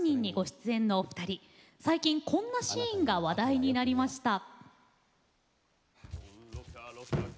最近こんなシーンが話題になりました。